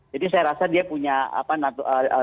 jadi saya rasa dia punya apa nato eee